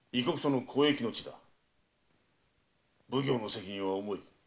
奉行の責任は重い。